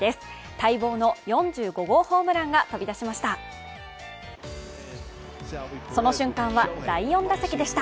待望の４５号ホームランが飛び出しました。